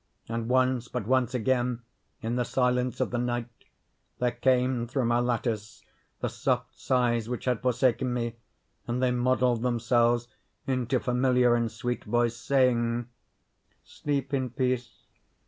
And once—but once again in the silence of the night; there came through my lattice the soft sighs which had forsaken me; and they modelled themselves into familiar and sweet voice, saying: "Sleep in peace!